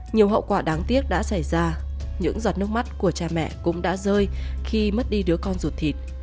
nhiều hậu quả đáng tiếc đã xảy ra những giọt nước mắt của cha mẹ cũng đã rơi khi mất đi đứa con ruột thịt